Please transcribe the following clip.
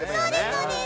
そうです。